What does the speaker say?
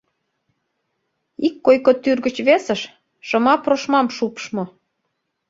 Ик койко тӱр гыч весыш шыма прошмам шупшмо.